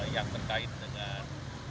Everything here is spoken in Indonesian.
yang terkait dengan